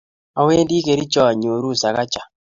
Awendi Kericho anyuru sakaja